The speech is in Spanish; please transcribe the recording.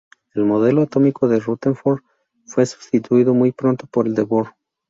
El modelo atómico de "Rutherford" fue sustituido muy pronto por el de Bohr.